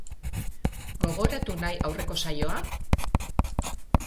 Gogoratu nahi aurreko saioa?